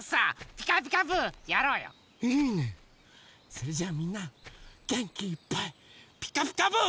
それじゃあみんなげんきいっぱい「ピカピカブ！」。